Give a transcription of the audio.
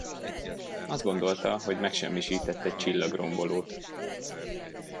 Azt gondolta, hogy megsemmisített egy csillagrombolót.